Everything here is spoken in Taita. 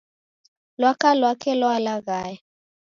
Lwaka lwake lwalaghaya